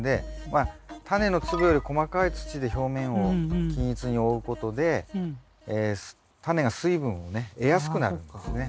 まあタネの粒より細かい土で表面を均一に覆うことでタネが水分をね得やすくなるんですね。